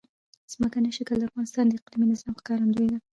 ځمکنی شکل د افغانستان د اقلیمي نظام ښکارندوی ده.